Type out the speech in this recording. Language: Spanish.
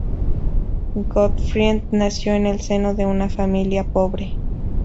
Gottfried nació en el seno de una familia pobre.